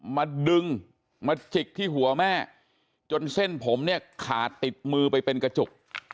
มาดึงมาจิกที่หัวแม่จนเส้นผมเนี่ยขาดติดมือไปเป็นกระจุก